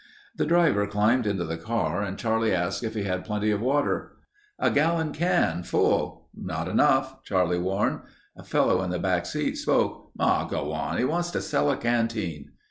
The driver climbed into the car and Charlie asked if he had plenty of water. "A gallon can full...." "Not enough," Charlie warned. A fellow in the back seat spoke, "Aw, go on. He wants to sell a canteen...."